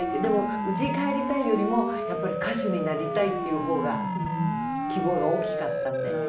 でも家に帰りたいよりもやっぱり歌手になりたいっていう方が希望が大きかったんで。